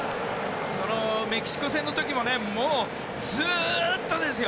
メキシコ戦の時もずっとですよ。